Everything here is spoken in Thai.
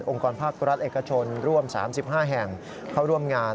กรภาครัฐเอกชนร่วม๓๕แห่งเข้าร่วมงาน